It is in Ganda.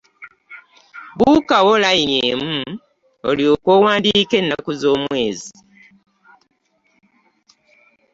Buukawo layini emu olyoke owandiike ennaku z’omwezi.